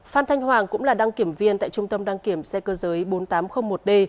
phan thanh hoàng cũng là đăng kiểm viên tại trung tâm đăng kiểm xe cơ giới bốn nghìn tám trăm linh một d